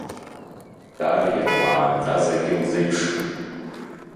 Дариа уаанӡа зегьы лзеиԥшын…